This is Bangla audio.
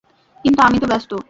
কিন্তু আমি তো ব্যস্ত!